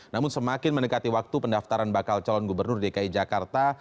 namun semakin mendekati waktu pendaftaran bakal calon gubernur dki jakarta